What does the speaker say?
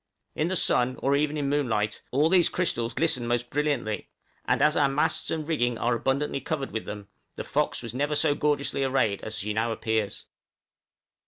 In the sun, or even in moonlight, all these crystals glisten most brilliantly; and as our masts and rigging are abundantly covered with them, the 'Fox' never was so gorgeously arrayed as she now appears.